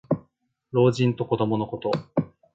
老人と子どものこと。